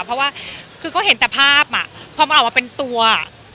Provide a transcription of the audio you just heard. เพราะว่าคือเขาเห็นแต่ภาพพอมันออกมาเป็นตัว